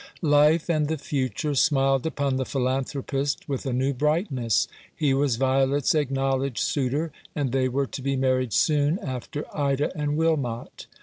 Life and the future smiled upon the philanthropist with a new brightness. He was Violet's acknow ledged suitor, and they were to be married soon after Ida and Wilmot.